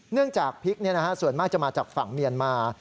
จากพริกส่วนมากจะมาจากฝั่งเมียนมา